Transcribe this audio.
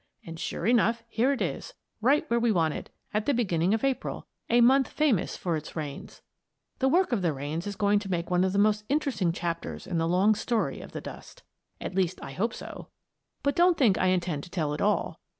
And, sure enough, here it is; right where we want it, at the beginning of April, a month famous for its rains. The work of the rains is going to make one of the most interesting chapters in the long story of the dust. At least I hope so. But don't think I intend to tell it all.